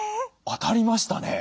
当たりましたね！